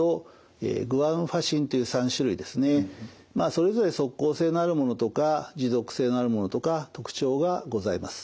まあそれぞれ即効性のあるものとか持続性のあるものとか特徴がございます。